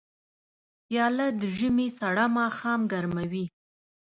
پیاله د ژمي سړه ماښام ګرموي.